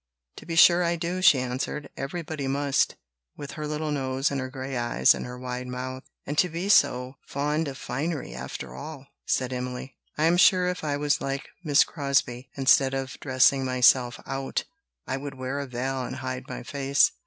"To be sure I do," she answered; "everybody must: with her little nose, and her gray eyes, and her wide mouth." "And to be so fond of finery after all!" said Emily. "I am sure if I was like Miss Crosbie, instead of dressing myself out, I would wear a veil and hide my face."